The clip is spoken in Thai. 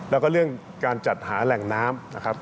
แล้วก็เรื่องการจัดหาแหล่งน้ำนะครับ